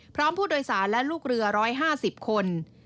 พร้อมผู้โดยสารและลูกเรือ๑๕๐คน